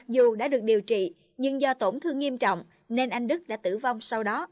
dù đã được điều trị nhưng do tổn thương nghiêm trọng nên anh đức đã tử vong sau đó